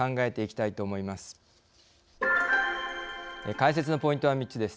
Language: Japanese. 解説のポイントは三つです。